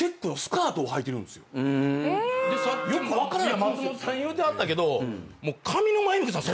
さっき松本さん言うてはったけど。